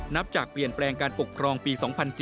นับจากเปลี่ยนแปลงการปกครองปี๒๔๙